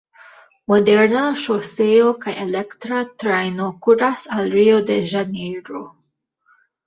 Moderna ŝoseo kaj elektra trajno kuras al Rio-de-Ĵanejro.